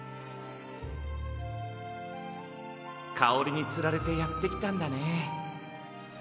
かおりにつられてやってきたんだね。